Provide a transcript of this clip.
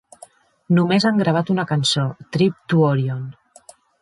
Només han gravat una cançó, "Trip to Orion".